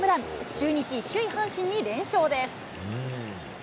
中日、首位阪神に連勝です。